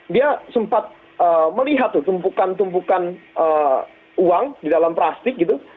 dia sempat melihat tuh tumpukan tumpukan uang di dalam plastik gitu